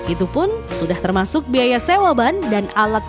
itu pun sudah termasuk biaya sewa ban dan alat